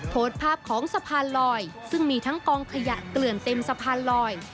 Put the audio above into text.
โพสต์ภาพของสะพานลอยซึ่งมีทั้งกองขยะเกลื่อนเต็มสะพานลอย